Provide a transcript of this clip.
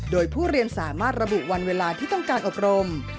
โดยผู้เรียนสามารถระบุวันเวลาที่ต้องการอบรม